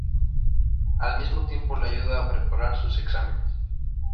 Al mismo tiempo le ayuda a preparar sus exámenes.